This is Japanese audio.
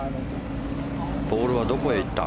ボールはどこへ行った。